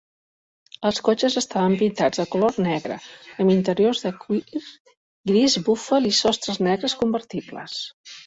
Els cotxes estaven pintats de color negre, amb interiors de cuir gris búfal i sostres negres convertibles.